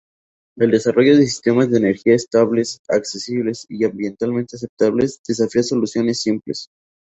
El desarrollo de sistemas de energía estables, accesibles y ambientalmente aceptables desafía soluciones simples.